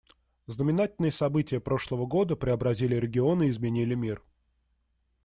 Знаменательные события прошлого года преобразили регион и изменили мир.